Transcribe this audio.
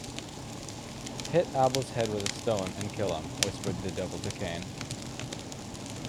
"Hit Abel's head with a stone and kill him", whispered the devil to Cain.